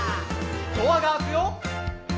「ドアが開くよ」